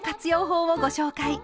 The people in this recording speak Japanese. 法をご紹介。